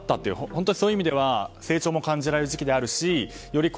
本当に、そういう意味では成長も感じられる時期でもあるしより